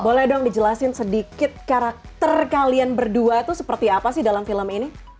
boleh dong dijelasin sedikit karakter kalian berdua itu seperti apa sih dalam film ini